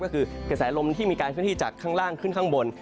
ก็คือกระแสลมที่มีการเคลื่อนที่จากข้างล่างขึ้นข้างบน